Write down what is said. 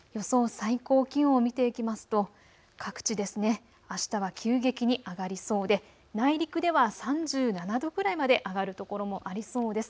最高気温を見ていきますと各地あしたは急激に上がりそうで内陸では３７度くらいまで上がる所もありそうです。